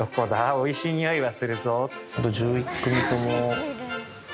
おいしい匂いがするぞ」。